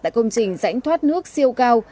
tại công trình rãnh thoát nước siêu cao